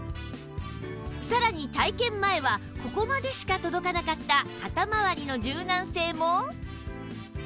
さらに体験前はここまでしか届かなかった肩まわりの柔軟性も